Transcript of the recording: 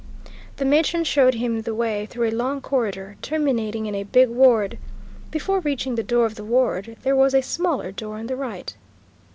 The matron showed him the way through a long corridor, terminating in a big ward. Before reaching the door of the ward there was a smaller door on the right.